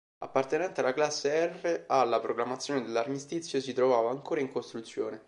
Appartenente alla classe R, alla proclamazione dell'armistizio si trovava ancora in costruzione.